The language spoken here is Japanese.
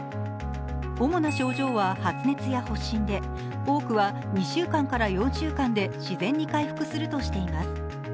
主な症状は発熱や発疹で多くは２週間から４週間で自然に回復するとしています。